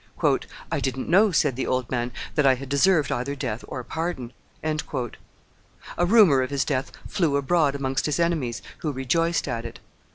"I didn't know," said the old man, "that I had deserved either death or pardon." A rumor of his death flew abroad amongst his enemies, who rejoiced at it.